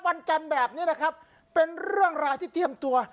วันจันทร์แบบนี้นะครับเป็นเรื่องราวที่เตรียมตัว